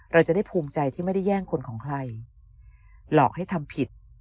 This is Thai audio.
เราจะได้ภูมิใจที่ไม่ได้แย่งคนของใครหลอกให้ทำผิด